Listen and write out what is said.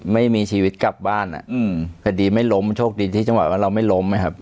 ไม่มีชีวิตกลับบ้านอ่ะอืมคดีไม่ล้มโชคดีที่จังหวะว่าเราไม่ล้มนะครับ